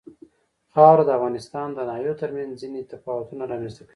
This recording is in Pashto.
خاوره د افغانستان د ناحیو ترمنځ ځینې تفاوتونه رامنځ ته کوي.